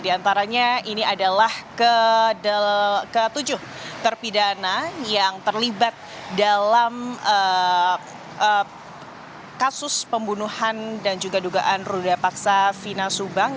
di antaranya ini adalah ketujuh terpidana yang terlibat dalam kasus pembunuhan dan juga dugaan ruda paksa fina subang